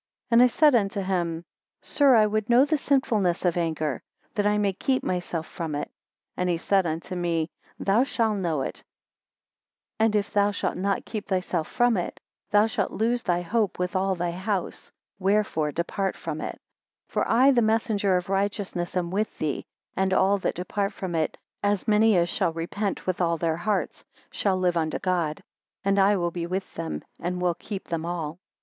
8 And I said unto him, Sir, I would know the sinfulness of anger, that I may keep myself from it. And he said unto me, Thou shall know it; and if thou shalt not keep thyself from it, thou shalt lose thy hope with all thy house. Wherefore depart from it. 9 For I the messenger of righteousness am with thee, and all that depart from it: as many as shall repent with all their hearts, shall live unto God; and I will be with them, and will keep them all.